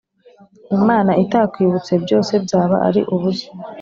Imana itakwibutse byose byaba ari ubusa